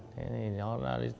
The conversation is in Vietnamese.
thế nên nó đã đi thử